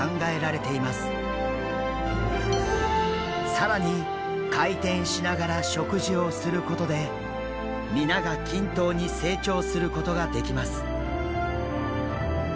更に回転しながら食事をすることで皆が均等に成長することができます。